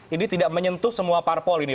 ini tidak menyentuh semua parpol ini